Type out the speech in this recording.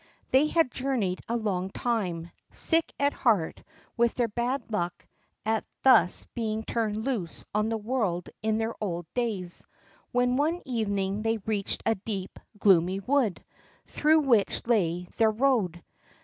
They had journeyed on a long time, sick at heart with their bad luck at thus being turned loose on the world in their old days, when one evening they reached a deep, gloomy wood, through which lay their road.